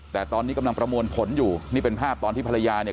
แต่ตอนนี้กำลังประมวลผลอยู่นี่เป็นภาพตอนที่ภรรยาเนี่ย